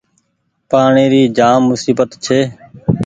پآڻيٚ ري جآم مسيبت ڇي۔